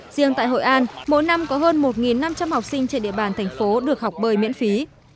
riêng tại hội an mỗi năm có hơn một năm trăm linh học sinh trên địa bàn thành phố được học bơi miễn phí